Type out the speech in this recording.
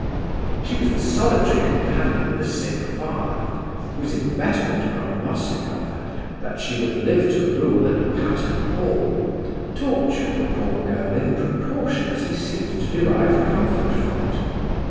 She was the solitary companion of a sick father, whose inveterate prognostic of her, that she would live to rule at Patterne Hall, tortured the poor girl in proportion as he seemed to derive comfort from it.